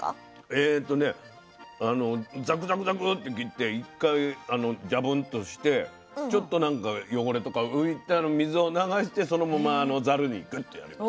えとねあのザクザクザクって切って一回ジャブンとしてちょっとなんか汚れとか浮いたの水を流してそのままざるにグッとやります。